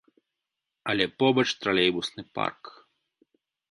Але побач тралейбусны парк.